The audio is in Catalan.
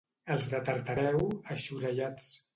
Els de Tartareu, eixorellats.